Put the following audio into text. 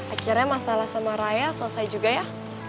akhirnya masalah sama raya selesai juga ya